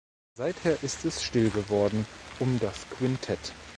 Seither ist es still geworden um das Quintett.